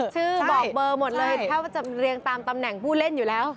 ชื่อบอกเบอร์หมดเลยถ้าว่าจะเรียงตามตำแหน่งผู้เล่นอยู่แล้ว